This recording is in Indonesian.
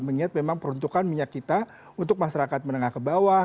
mengingat memang peruntukan minyak kita untuk masyarakat menengah ke bawah